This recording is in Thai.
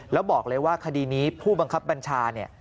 แล้วบอกเลยว่าคดีนี้ผู้บังคับบัญชาเนี่ย